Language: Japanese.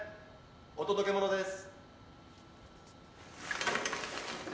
お届け物です。